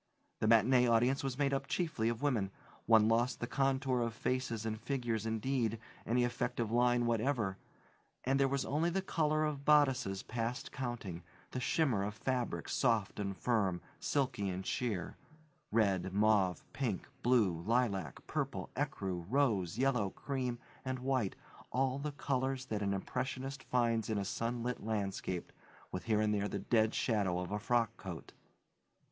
The matinee audience was made up chiefly of women. One lost the contour of faces and figures indeed, any effect of line whatever and there was only the color of bodices past counting, the shimmer of fabrics soft and firm, silky and sheer: red, mauve, pink, blue, lilac, purple, ecru, rose, yellow, cream, and white, all the colors that an impressionist finds in a sunlit landscape, with here and there the dead shadow of a frock coat.